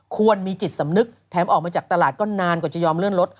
ควรมีจิตสำนึกแถมออกมาจากตลาดก็นานกว่าจะยอมเลื่อนรถ